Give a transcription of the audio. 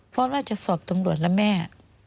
ฟอสว่าจะสอบตำรวจละแม่